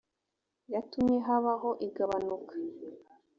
yatumye habaho igabanuka .